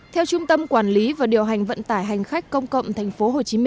theo trung tâm quản lý và điều hành vận tải hành khách công cộng tp hcm